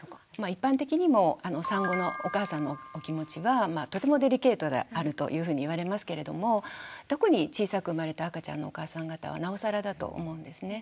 一般的にも産後のお母さんのお気持ちはとてもデリケートであるというふうに言われますけれども特に小さく生まれた赤ちゃんのお母さん方はなおさらだと思うんですね。